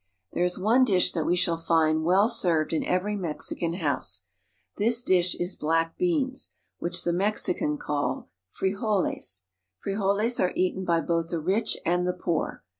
There is one dish that we shall find well served in every Mexican house. This dish is black beans, which the Mexicans call frijoles (fre o'les). Frijoles are eaten by both the rich and the poor.